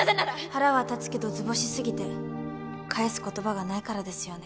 腹は立つけど図星すぎて返す言葉がないからですよね。